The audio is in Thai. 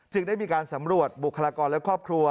ได้มีการสำรวจบุคลากรและครอบครัว